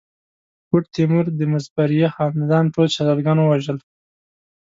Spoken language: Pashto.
ګوډ تیمور د مظفریه خاندان ټول شهزاده ګان ووژل.